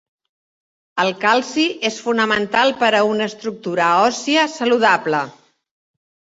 El calci és fonamental per a una estructura òssia saludable.